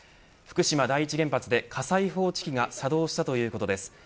福島第一原発で、火災報知器が作動したということです。